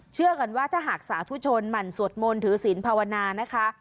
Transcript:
เชื่อกันว่าถ้าหากสาธุชนหมั่นสวดมนต์ถือศีลภาวนานะคะ